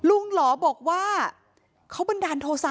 ลุงหลอบอกว่าเขาเป็นดาลโทสะ